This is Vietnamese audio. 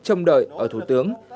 trong đợi ở thủ tướng